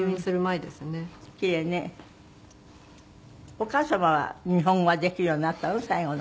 お母様は日本語はできるようになったの？